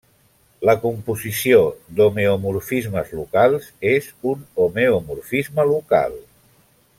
La composició d'homeomorfismes locals és un homeomorfisme local.